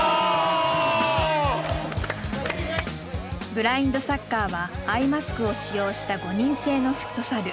ブラインドサッカーはアイマスクを使用した５人制のフットサル。